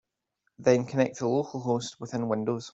Then connect to localhost within Windows.